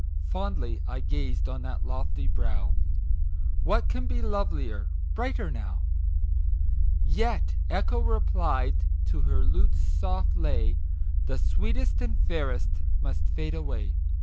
Fondly I gazed on that lofty brow " What can be lovelier brighter now ?" Yet Echo replied to her lute's soft lay, ;t The sweetest and fairest must fade away